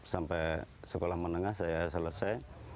sampai sekolah menengah saya selesai